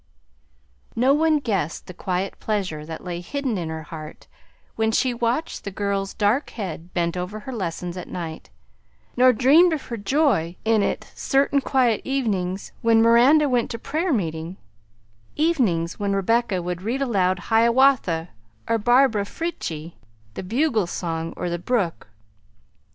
No one guessed the quiet pleasure that lay hidden in her heart when she watched the girl's dark head bent over her lessons at night, nor dreamed of her joy it, certain quiet evenings when Miranda went to prayer meeting; evenings when Rebecca would read aloud Hiawatha or Barbara Frietchie, The Bugle Song, or The Brook.